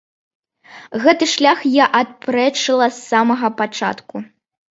Гэты шлях я адпрэчыла з самага пачатку.